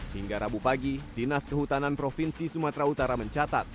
hingga rabu pagi dinas kehutanan provinsi sumatera utara mencatat